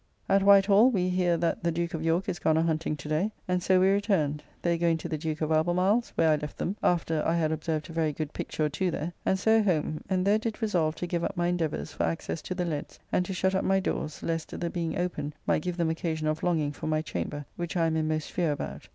At White Hall we hear that the Duke of York is gone a hunting to day; and so we returned: they going to the Duke of Albemarle's, where I left them (after I had observed a very good picture or two there), and so home, and there did resolve to give up my endeavours for access to the leads, and to shut up my doors lest the being open might give them occasion of longing for my chamber, which I am in most fear about.